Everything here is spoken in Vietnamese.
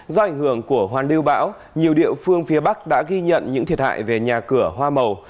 do ảnh hưởng của hoàn lưu bão nhiều địa phương phía bắc đã ghi nhận những thiệt hại về nhà cửa hoa màu